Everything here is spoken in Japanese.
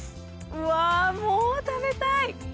うわもう食べたい！